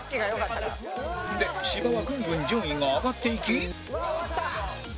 で芝はぐんぐん順位が上がっていき